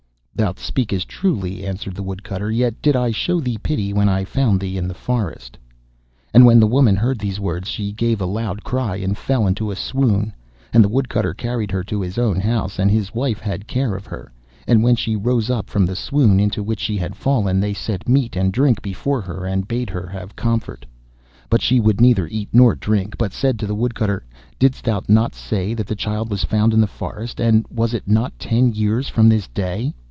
'Thou speakest truly,' answered the Woodcutter, 'yet did I show thee pity when I found thee in the forest.' And when the woman heard these words she gave a loud cry, and fell into a swoon. And the Woodcutter carried her to his own house, and his wife had care of her, and when she rose up from the swoon into which she had fallen, they set meat and drink before her, and bade her have comfort. But she would neither eat nor drink, but said to the Woodcutter, 'Didst thou not say that the child was found in the forest? And was it not ten years from this day?